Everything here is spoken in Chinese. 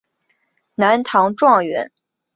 南唐状元。